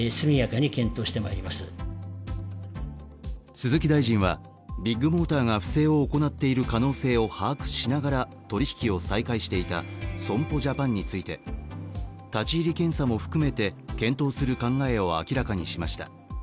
鈴木大臣はビッグモーターが不正を行っている可能性を把握しながら、取引を再開していた損保ジャパンについて、立ち入り検査も含めて、検討する考えを明らかにしました。